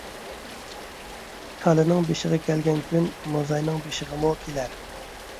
كالىنىڭ بېشىغا كەلگەن كۈن مۇزاينىڭ بېشىغىمۇ كېلەر.